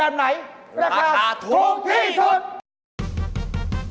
อุ๊ยอันไหนถูกกันแน่คะเนี่ย